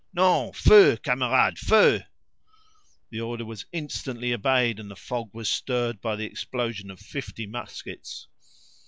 Non! feu, camarades, feu!" The order was instantly obeyed, and the fog was stirred by the explosion of fifty muskets.